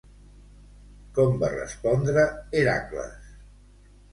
Com va respondre Heracles?